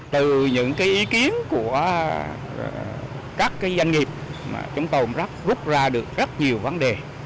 từ những cái ý kiến của các doanh nghiệp mà chúng tôi rút ra được rất nhiều vấn đề